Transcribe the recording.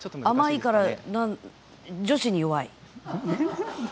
甘いから女子に弱い。